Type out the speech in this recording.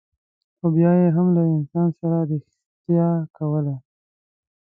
خو بیا یې هم له انسان سره رښتیا کوله.